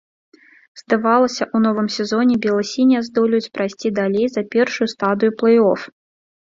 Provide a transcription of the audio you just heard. Здавалася, у новым сезоне бела-сінія здолеюць прайсці далей за першую стадыю плэй-оф.